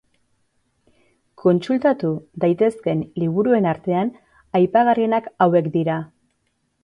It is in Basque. Kontsultatu daitezkeen liburuen artean aipagarrienak hauek dira.